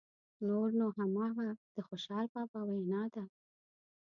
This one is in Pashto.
نور نو همغه د خوشحال بابا وینا ده.